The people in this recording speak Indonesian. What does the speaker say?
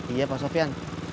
iya pak sofyan